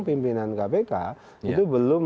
pimpinan kpk itu belum